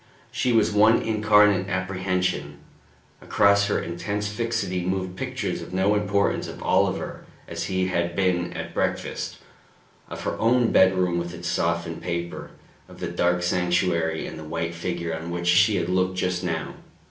She was one incarnate apprehension. Across her intense fixity moved pictures of no importance of Oliver as he had been at breakfast, of her own bedroom with its softened paper, of the dark sanctuary and the white figure on which she had looked just now.